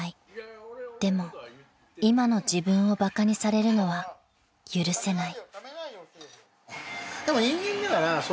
［でも今の自分をバカにされるのは許せない］